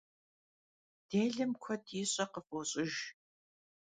Dêlem kued yiş'e khıf'oş'ıjj.